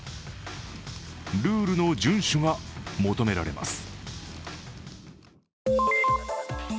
ルールの順守が求められます。